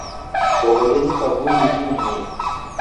Soghodenyi kavui nimmumue.